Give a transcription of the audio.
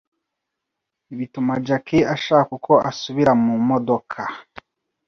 bituma Jackie ashaka uko asubira mu modoka